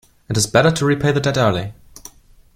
It is better to repay the debt early.